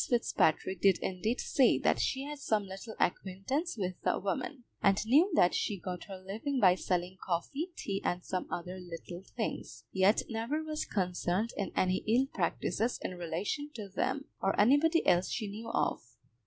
Fitzpatrick did indeed say that she had some little acquaintance with the woman, and knew that she got her living by selling coffee, tea, and some other little things, yet never was concerned in any ill practices in relation to them, or anybody else she knew of.